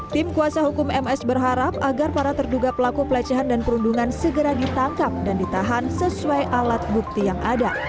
tim kuasa hukum ms berharap agar para terduga pelaku pelecehan dan perundungan segera ditangkap dan ditahan sesuai alat bukti yang ada